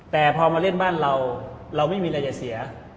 แต่พอมาเล่นบ้านเราเราไม่มีอะไรจะเสีย